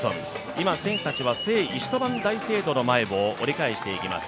今、選手たちは聖イシュトヴァーン大聖堂の前を折り返していきます。